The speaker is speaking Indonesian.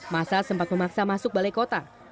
masa sempat memaksa masuk balai kota